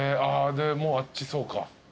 でもうあっちそうか。